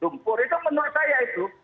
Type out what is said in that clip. lumpur itu menurut saya itu